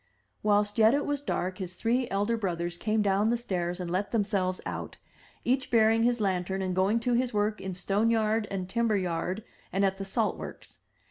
Whilst yet it was dark his three elder brothers came down the stairs and let themselves out, each bearing his lantern and going to his work in stone yard and timber yard and at the salt works.